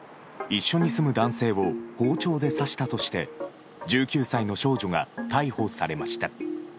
一緒に住む男性を包丁で刺したとして１９歳の少女が逮捕されました。